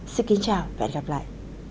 xin kính chào và hẹn gặp lại